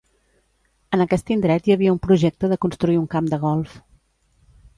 En aquest indret hi havia un projecte de construir un camp de golf.